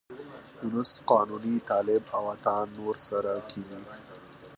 یونس قانوني، طالب او عطا نور سره کېني.